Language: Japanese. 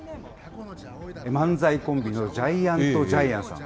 漫才コンビのジャイアントジャイアンさん。